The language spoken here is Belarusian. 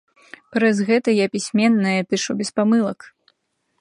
Праз гэта я пісьменная, пішу без памылак.